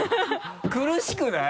苦しくない？